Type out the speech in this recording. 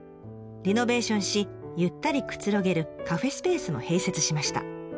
リノベーションしゆったりくつろげるカフェスペースも併設しました。